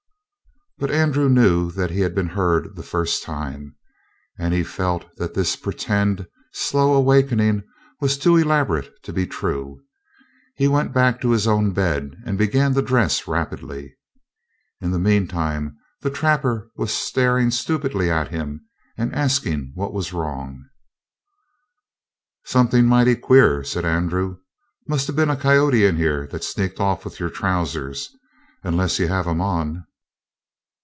But Andrew knew that he had been heard the first time, and he felt that this pretended slow awakening was too elaborate to be true. He went back to his own bed and began to dress rapidly. In the meantime the trapper was staring stupidly at him and asking what was wrong. "Something mighty queer," said Andrew. "Must have been a coyote in here that sneaked off with your trousers, unless you have 'em on."